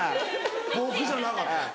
僕じゃなかった。